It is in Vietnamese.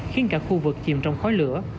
khiến cả khu vực chìm trong khói lửa